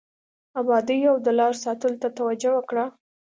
ابادیو او د لارو ساتلو ته توجه وکړه.